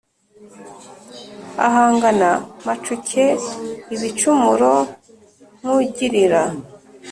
Ahangaha mpacukeIbicumuro nkugilira